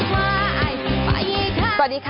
ก็อยากมาว่ากับคนหลายจ้ะ